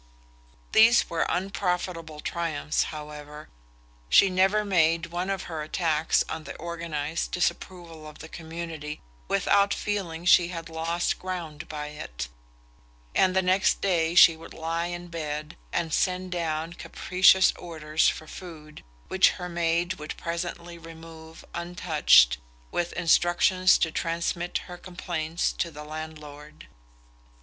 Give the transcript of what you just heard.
These were unprofitable triumphs, however. She never made one of her attacks on the organized disapproval of the community without feeling she had lost ground by it; and the next day she would lie in bed and send down capricious orders for food, which her maid would presently remove untouched, with instructions to transmit her complaints to the landlord.